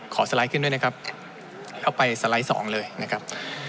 สไลด์ขึ้นด้วยนะครับเข้าไปสไลด์สองเลยนะครับ